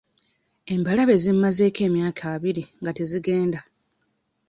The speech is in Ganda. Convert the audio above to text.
Embalabe zimmazeeko emyaka abiri naye tezigenda.